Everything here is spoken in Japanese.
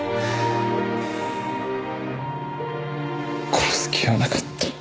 殺す気はなかった。